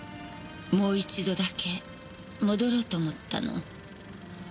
もう一度だけ戻ろうと思ったの。